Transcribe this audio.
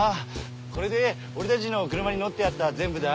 これで俺たちの車にのってあった全部だ。